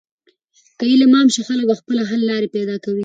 که علم عام شي، خلک په خپله د حل لارې پیدا کوي.